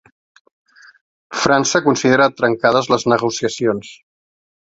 França considera trencades les negociacions.